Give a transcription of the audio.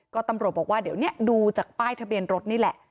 ก็ตำรวจบอกว่าเดี๋ยวนี้ดูจากป้ายทะเบียนรถนี่แหละ